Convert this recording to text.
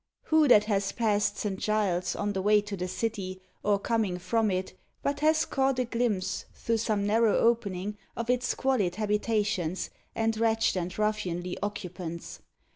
Who that has passed Saint Giles's, on the way to the city, or coming from it, but has caught a glimpse, through some narrow opening, of its squalid habitations, and wretched and ruffianly occupants!